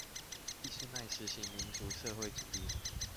俾斯麥實行民族社會主義